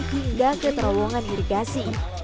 hingga ke terowongan hirikasi